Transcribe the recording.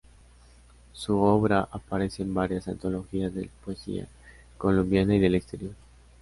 Su obra aparece en varias antologías de poesía colombiana y del exterior.